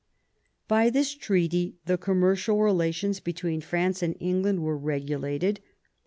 By this treaty the commercial re lations between France and England were regulated.